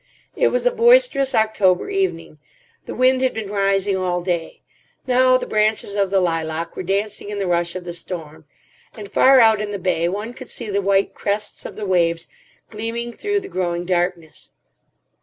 It was a boisterous October evening. The wind had been rising all day. Now the branches of the lilac were dancing in the rush of the storm, and far out in the bay one could see the white crests of the waves gleaming through the growing darkness.